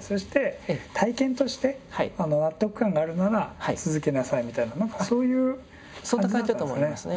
そして体験として納得感があるなら続けなさいみたいな何かそういう感じだったんですかね。